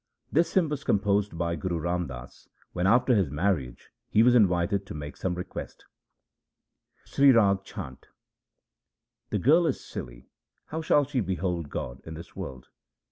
This hymn was composed by Guru Ram Das when after his marriage he was invited to make some request :— Sri Rag Chhant The girl is silly, how shall she behold God in this world